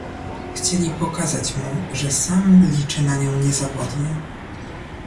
Chcieli pokazać mu, że sam liczy na nią niezawodnie.